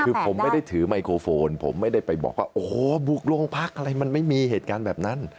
คือผมไม่ได้ถือไมโครโฟนผมไม่ได้ไปบอกว่าโอ้โหบุกโรงพักอะไรมันไม่มีเหตุการณ์แบบนั้น